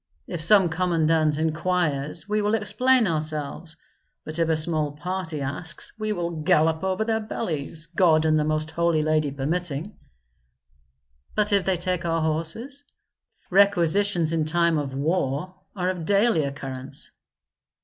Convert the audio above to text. If some commandant inquires we will explain ourselves, but if a small party asks we will gallop over their bellies, God and the Most Holy Lady permitting." "But if they take our horses? Requisitions in time of war are of daily occurrence."